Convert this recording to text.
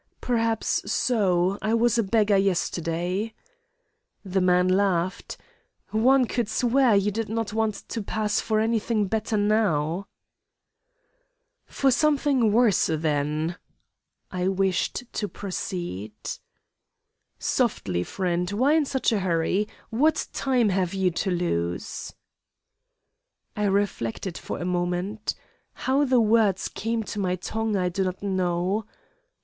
"'Perhaps so. I was a beggar yesterday.' "The man laughed. 'One could swear you did not want to pass for any thing better now.' "'For something worse then.' I wished to proceed. "'Softly friend, why in such a hurry? What time have you to lose?' "I reflected for a moment. How the words came to my tongue I do not know.